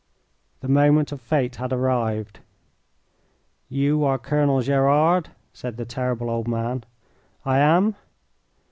The moment of fate had arrived. "You are Colonel Gerard?" said the terrible old man. "I am."